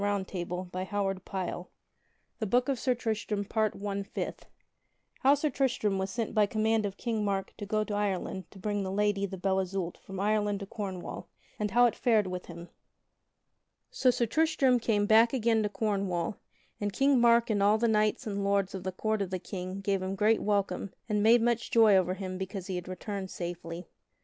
[Illustration: Sir Tristram harpeth before King Mark] Chapter Fifth _How Sir Tristram was sent by command of King Mark to go to Ireland to bring the Lady the Belle Isoult from Ireland to Cornwall and how it fared with him._ So Sir Tristram came back again to Cornwall, and King Mark and all the knights and lords of the court of the King gave him great welcome and made much joy over him because he had returned safely.